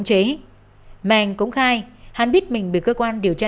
cậu nói trò cu chu